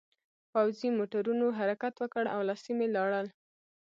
پوځي موټرونو حرکت وکړ او له سیمې لاړل